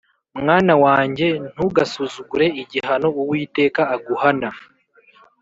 Mwana wanjye, ntugasuzugure igihano Uwiteka aguhana